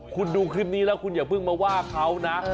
คุณดูคลิปนี้แล้วคุณอย่าเพิ่งมาว่าเขานะ